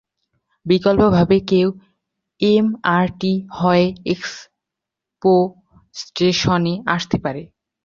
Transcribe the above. বিকল্পভাবে, কেউ এমআরটি হয়ে এক্সপো স্টেশনে আসতে পারে।